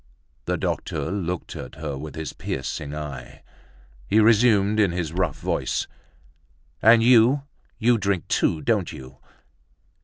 The doctor looked at her with his piercing eye. He resumed in his rough voice: "And you, you drink too, don't you?"